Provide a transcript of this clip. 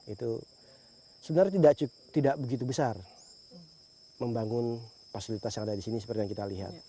itu sebenarnya tidak begitu besar membangun fasilitas yang ada di sini seperti yang kita lihat